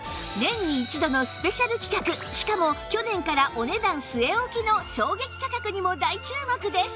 しかも去年からお値段据え置きの衝撃価格にも大注目です